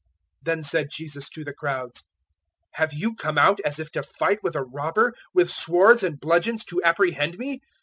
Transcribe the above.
026:055 Then said Jesus to the crowds, "Have you come out as if to fight with a robber, with swords and bludgeons to apprehend me?